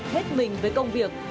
hết mình với công việc